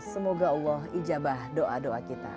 semoga allah ijabah doa doa kita